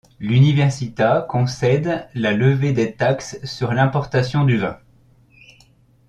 L'Università concède la levée de taxes sur l'importation du vin.